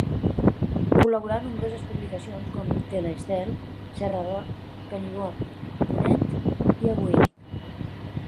Col·laborà a nombroses publicacions com Tele-Estel, Serra d'Or, Canigó, Ponent i Avui.